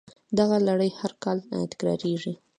دغه لړۍ هر کال تکراریږي